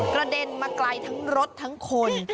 กระเด็นมาไกลทั้งรถทั้งคน